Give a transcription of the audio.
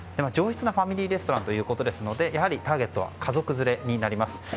上質なファミリーレストランということですのでやはりターゲットは家族連れになります。